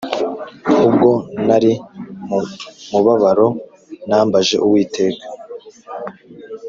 Ubwo nari mu mubabaro nambaje Uwiteka